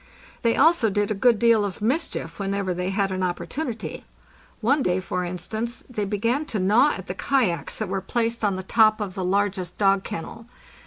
They also did a good deal of mis chief whenever they had an opportunity. One day, for instance, they began to gnaw at the kayaks that were placed on the top 682 APPENDS, of the largest dog kennel.